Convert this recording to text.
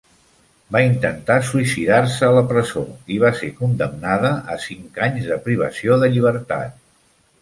Va intentar suïcidar-se a la presó i va ser condemnada a cinc anys de privació de llibertat.